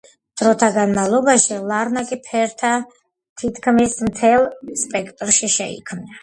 დროთა განმავლობაში ლარნაკი ფერთა თითქმის მთელ სპექტრში შეიქმნა.